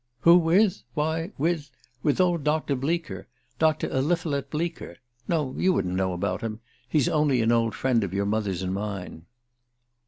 Who with? Why, with with old Dr. Bleaker: Dr. Eliphalet Bleaker. No, you wouldn't know about him he's only an old friend of your mother's and mine."